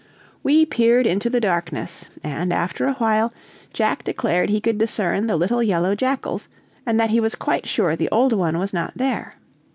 We peered into the darkness, and, after a while, Jack declared he could discern the little yellow jackals, and that he was quite sure the old one was not there.